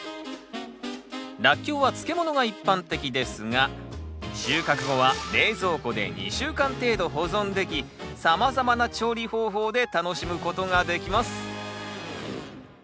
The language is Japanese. ラッキョウは漬物が一般的ですが収穫後は冷蔵庫で２週間程度保存できさまざまな調理方法で楽しむことができます